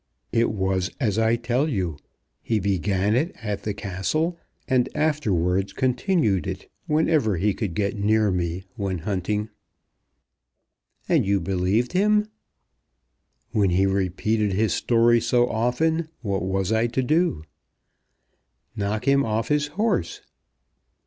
"It was as I tell you. He began it at the Castle, and afterwards continued it whenever he could get near me when hunting." "And you believed him?" "When he repeated his story so often what was I to do?" "Knock him off his horse."